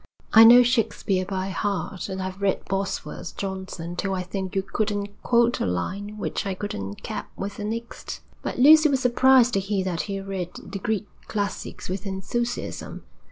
'I know Shakespeare by heart, and I've read Boswell's Johnson till I think you couldn't quote a line which I couldn't cap with the next.' But Lucy was surprised to hear that he read the Greek classics with enthusiasm.